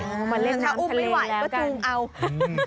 ถ้าอุ้มไม่ไหวก็จูงเอา